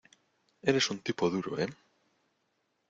Eres un tipo duro, ¿ eh?